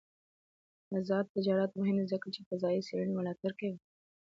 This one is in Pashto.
آزاد تجارت مهم دی ځکه چې فضايي څېړنې ملاتړ کوي.